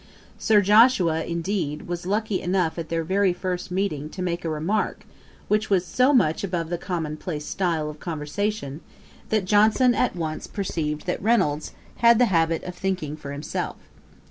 Sir Joshua, indeed, was lucky enough at their very first meeting to make a remark, which was so much above the common place style of conversation, that Johnson at once perceived that Reynolds had the habit of thinking for himself.